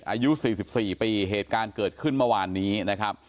อายุ๔๔ปีเหตุการณ์เกิดขึ้นเมื่อวานนี้นะครับ